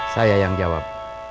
saya yang jawab